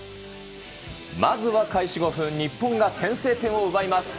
まずは開始５分、日本が先制点を奪います。